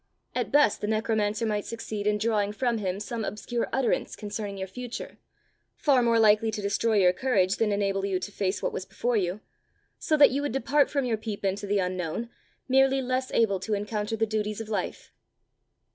At best the necromancer might succeed in drawing from him some obscure utterance concerning your future, far more likely to destroy your courage than enable you to face what was before you; so that you would depart from your peep into the unknown, merely less able to encounter the duties of life."